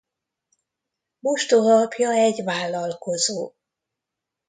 Mostohaapja egy vállalkozó.